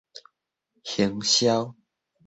行銷